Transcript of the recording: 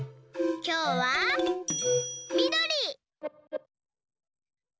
きょうはみどり！